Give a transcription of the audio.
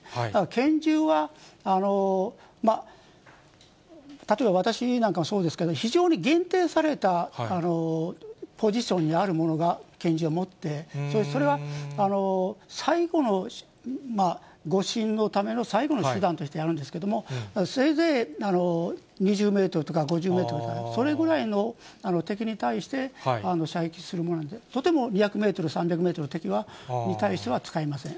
拳銃は例えば私なんかもそうですけど、非常に限定されたポジションにあるものが拳銃を持って、それは最後の護身のための最後の手段としてやるんですけれども、せいぜい２０メートルとか５０メートルとか、それぐらいの敵に対して射撃するもので、とても２００メートル、３００メートルの敵に対しては使えません。